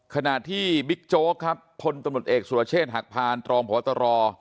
ขณะที่บิ๊กโจ๊กครับคนตมตเอกสุลาเชษหักพานตรองพตร